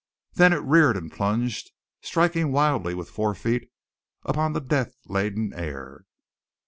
Then it reared and plunged, striking wildly with fore feet upon the death laden air.